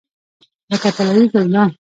لکه طلایي ګلدان.